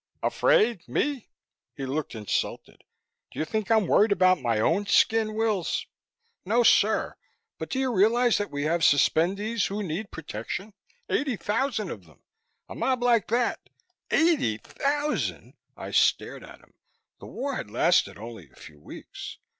"Afraid? Me?" He looked insulted. "Do you think I'm worried about my own skin, Wills? No, sir. But do you realize that we have suspendees here who need protection? Eighty thousand of them. A mob like that " "Eighty thousand?" I stared at him. The war had lasted only a few weeks!